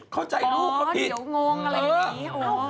เข้าใจลูกเขาผิดเดี๋ยวงงอะไรอย่างนี้